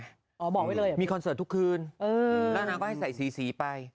ามีคอนเซิร์ททุกคืนแล้วเราก็ให้ใส่สีไป